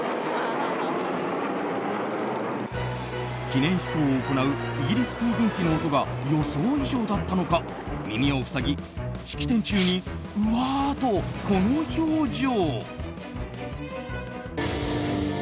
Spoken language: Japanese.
記念飛行を行うイギリス空軍機の音が予想以上だったのか、耳を塞ぎ式典中にうわあ！とこの表情。